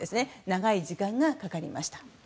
長い時間がかかりました。